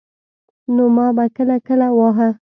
نو ما به کله کله واهه.